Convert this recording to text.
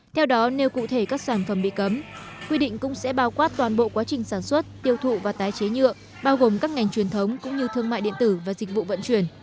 theo đó nếu cụ thể các sản phẩm bị cấm quy định cũng sẽ bao quát toàn bộ quá trình sản xuất tiêu thụ và tái chế nhựa bao gồm các ngành truyền thống cũng như thương mại điện tử và dịch vụ vận chuyển